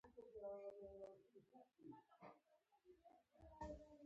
په پیل کې په ډېر تکلیف وم خو بیا عادت شوم